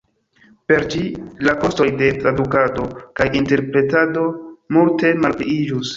Per ĝi, la kostoj de tradukado kaj interpretado multe malpliiĝus.